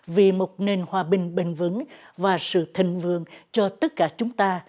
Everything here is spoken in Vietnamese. vì một nền hòa bình bền vững và sự thịnh vượng cho tất cả chúng ta